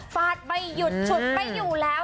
ฟาดไม่หยุดฉุดไม่อยู่แล้ว